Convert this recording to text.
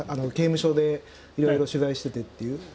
刑務所でいろいろ取材しててっていう。